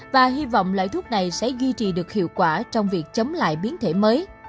và hy vọng loại thuốc này sẽ duy trì được hiệu quả trong việc chống lại biến thể mới